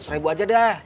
enam ratus ribu aja deh